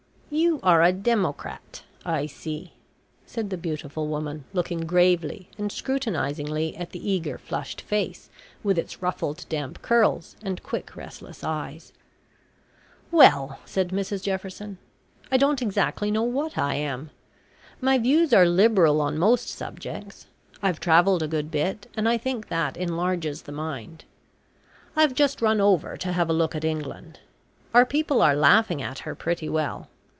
"You are a democrat, I see," said the beautiful woman, looking gravely and scrutinisingly at the eager flushed face, with its ruffled damp curls, and quick restless eyes. "Well," said Mrs Jefferson, "I don't exactly know what I am. My views are liberal on most subjects. I've travelled a good bit, and I think that enlarges the mind. I've just run over to have a look at England. Our people are laughing at her pretty well.